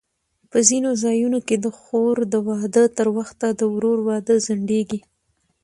په ځینو ځایونو کې د خور د واده تر وخته د ورور واده ځنډېږي.